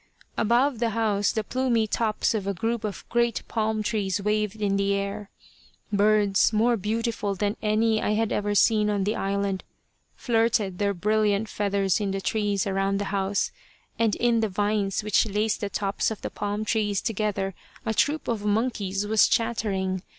Above the house the plumy tops of a group of great palm trees waved in the air. Birds, more beautiful than any I had ever seen on the island, flirted their brilliant feathers in the trees around the house, and in the vines which laced the tops of the palm trees together a troop of monkeys was chattering.